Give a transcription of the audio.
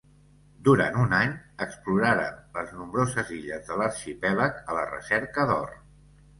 Durant un any exploraren les nombroses illes de l'arxipèlag a la recerca d'or.